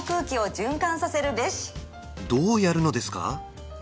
どうやるのですか？